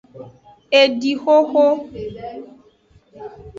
Edixoxo.